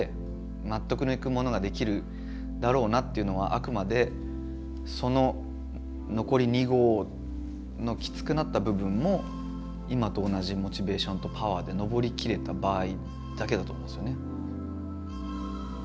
納得のいくものができるだろうなっていうのはあくまでその残り２合のきつくなった部分も今と同じモチベーションとパワーで登りきれた場合だけだと思うんですよね。